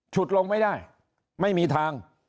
ฉุดลงไม่ได้ไม่มีทาง